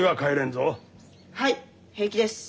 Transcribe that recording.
はい平気です。